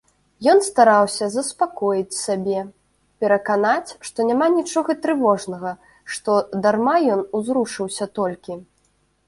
Ён стараўся заспакоіць сябе, пераканаць, што няма нічога трывожнага, што дарма ён узрушыўся толькі.